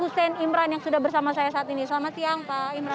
hussein imran yang sudah bersama saya saat ini selamat siang pak imran